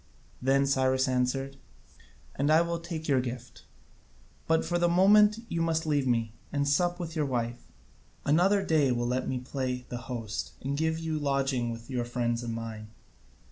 Then Cyrus answered: "And I will take your gift: but for the moment you must leave me, and sup with your wife: another day you will let me play the host, and give you lodging with your friends and mine."